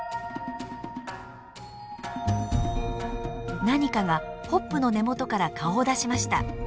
何かがホップの根元から顔を出しました。